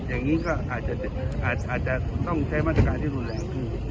อย่างนี้ก็อาจจะอาจจะต้องใช้มาตรการที่รุนแรง